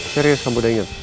serius kamu udah inget